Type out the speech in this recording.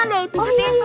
gak tau apa mana itu